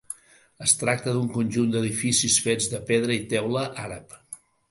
Es tracta d'un conjunt d'edificis fets de pedra i teula àrab.